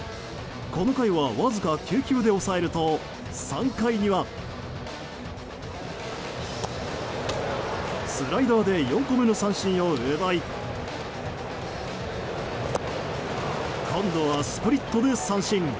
この回はわずか９球で抑えると３回にはスライダーで４個目の三振を奪い今度はスプリットで三振。